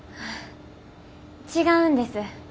違うんです。